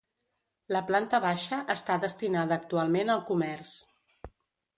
La planta baixa està destinada actualment al comerç.